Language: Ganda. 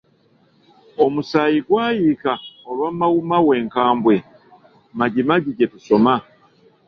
"Omusayi gwayiika Olwa Mau Mau enkambwe, MajiMaji gye tusoma"